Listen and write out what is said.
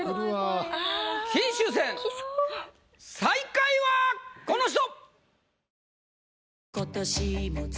金秋戦最下位はこの人！